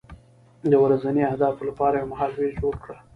د ورځني اهدافو لپاره یو مهالویش جوړ کړه.